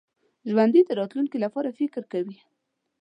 ژوندي د راتلونکي لپاره فکر کوي